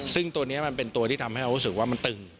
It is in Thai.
ซึ่งตัวนี้มันเป็นตัวที่ทำให้เรารู้สึกว่ามันตึง